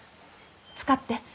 使って。